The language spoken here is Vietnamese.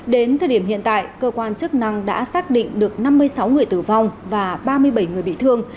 đến thời điểm hiện tại cơ quan chức năng đã xác định được năm mươi sáu người tử vong và ba mươi bảy người bị thương